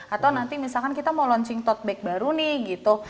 atau nanti misalkan kita mau launching totback baru nih gitu